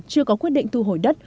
chưa có quyết định thu hồi đất